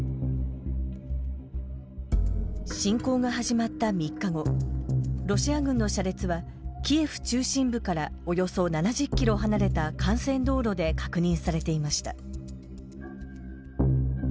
侵攻が始まった３日後ロシア軍の車列はキエフ中心部からおよそ７０ｋｍ離れた幹線道路で確認されていました。